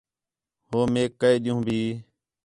ہو میک کے ݙین٘ہوں بھی